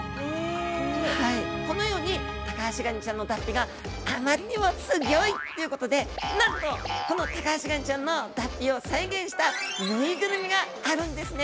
このようにタカアシガニちゃんの脱皮があまりにもすギョイということでなんとこのタカアシガニちゃんの脱皮を再現したぬいぐるみがあるんですね。